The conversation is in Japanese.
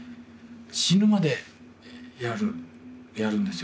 死ぬまでやるんですよ。